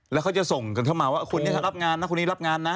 แล้วเขาจะส่งกันเข้ามาว่าคุณนี่รับงานนะ